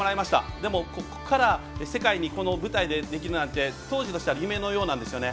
でも、ここから世界の舞台でできるなんて当時としては夢のようなんですよね。